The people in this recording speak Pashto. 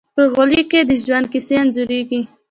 په غالۍ کې د ژوند کیسې انځورېږي.